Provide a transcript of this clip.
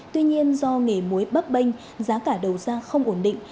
tuy nhiên do nghề muối bắp bênh giá cả đầu ra không ổn định